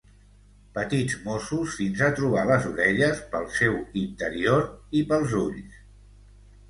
Petits mossos fins a trobar les orelles, pel seu interior i pels ulls...